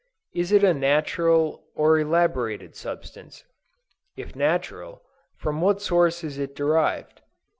Is it a natural or an elaborated substance? If natural, from what source is it derived?